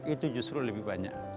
itu justru lebih banyak